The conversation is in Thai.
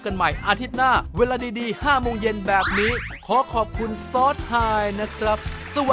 ก็ไม่ให้ที่๓ข้างไม่ขี้เกียจมาหาแล้ว